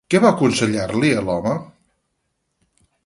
Què va aconsellar-li a l'home?